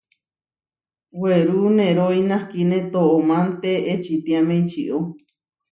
Werú nerói nahkíne toománte ečitiáme ičió.